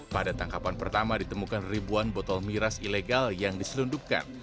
pada tangkapan pertama ditemukan ribuan botol miras ilegal yang diselundupkan